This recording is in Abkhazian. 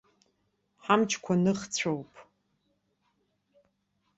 Ҳамчқәа ныхцәоуп.